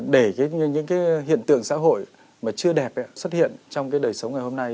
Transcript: để những cái hiện tượng xã hội mà chưa đẹp xuất hiện trong cái đời sống ngày hôm nay